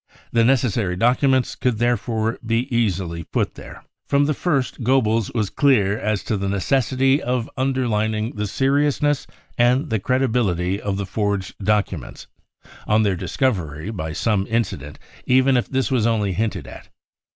The necessary documents could therefore be easily put there. " From the first Goebbels was clear as to the necessity of underlining the seriousness and the credibility of the forged documents, on their discovery, by some incident, even if this was only hinted at.